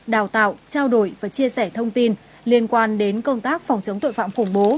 đào tạo trao đổi và chia sẻ thông tin liên quan đến công tác phòng chống tội phạm khủng bố